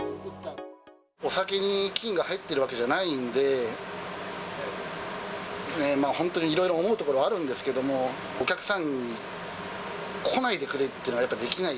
お酒に菌が入ってるわけじゃないんで、本当にいろいろ思うところはあるんですけども、お客さんに来ないでくれってのは、やっぱりできない。